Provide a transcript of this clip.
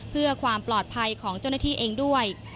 เพื่อความปลอดภัยของเจ้าหน้าที่เองด้วย